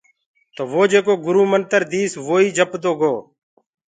تو وو جيڪو گُرو منتر ديس وو ئي جپدو گو۔